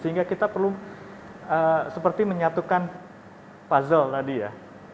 sehingga kita perlu seperti menyatukan puzzle tadi ya